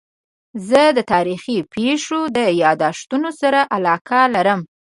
زه د تاریخي پېښو د یادښتونو سره علاقه لرم.